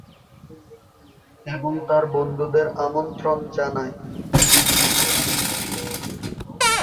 এবং তার বন্ধুদের আমন্ত্রণ জানায়।